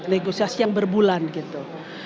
negosiasi yang berbulan gitu